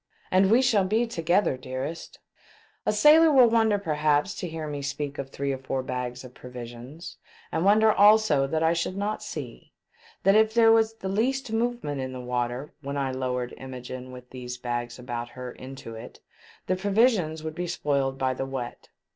And we shall be together, dearest !" A sailor will wonder perhaps to hear me speak of three or four bags of provisions, and wonder also that I should not see that if there was the least movement in the water when I lowered Imogene with these bags about her into it, the provisions would be spoiled by the wet.